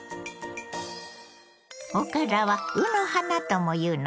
おからは「うの花」ともいうのよ。